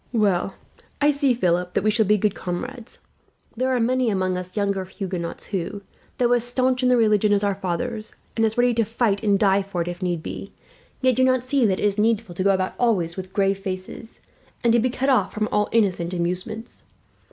"Well I see, Philip, that we shall be good comrades. There are many among us younger Huguenots who, though as staunch in the religion as our fathers, and as ready to fight and die for it if need be, yet do not see that it is needful to go about always with grave faces, and to be cut off from all innocent amusements.